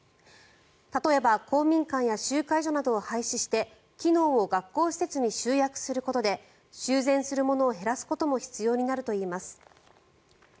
例えば、公民館や集会所などを廃止して機能を学校施設に集約することで修繕するものを減らすことも必要になるといいます。